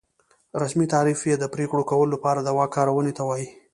رسمي تعریف یې د پرېکړو کولو لپاره د واک کارونې ته وایي.